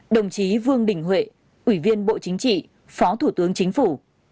một mươi hai đồng chí vương đình huệ ủy viên bộ chính trị phó thủ tướng chính phủ